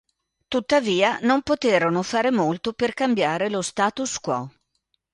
Tuttavia, non poterono fare molto per cambiare lo status quo.